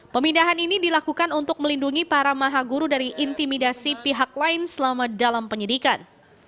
pemindahan ini dilakukan untuk melindungi para maha guru dari intimidasi pihak lain selama dalam penyidikan